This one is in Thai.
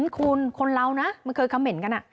คุณคนเราน่ะมันเคยเขมินกันอ่ะ